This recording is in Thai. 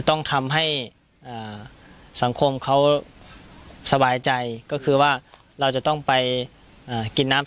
ต้องทำให้สังคมเขาสบายใจก็คือว่าเราจะต้องไปกินน้ำ